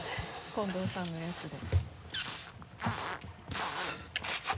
近藤さんのやつで。